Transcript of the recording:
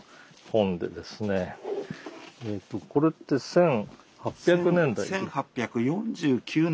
これって１８００年代？